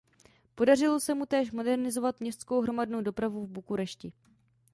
Podařilo se mu též modernizovat městskou hromadnou dopravu v Bukurešti.